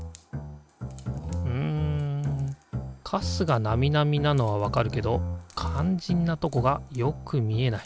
うんカスがナミナミなのはわかるけどかんじんなとこがよく見えない。